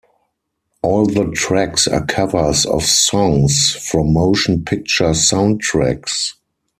All the tracks are covers of songs from motion picture soundtracks.